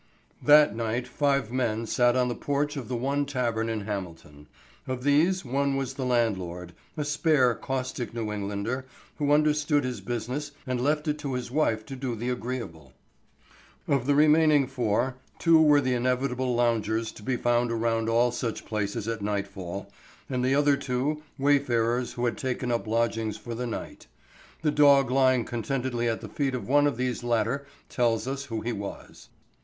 THAT night five men sat on the porch of the one tavern in Hamilton. Of these, one was the landlord, a spare, caustic New Englander who understood his business and left it to his wife to do the agreeable. Of the remaining four, two were the inevitable loungers to be found around all such places at nightfall, and the other two, wayfarers who had taken up lodgings for the night. The dog lying contentedly at the feet of one of these latter tells us who he was.